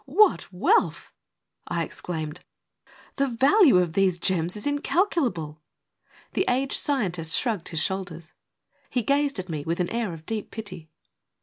"What wealth!" I exclaimed. "The value of these gems is incalculable 1 " The aged scientist shrugged his shoulders. He gazed at me with an air of deep pity.